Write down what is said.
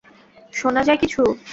শুনা যায় কিছু?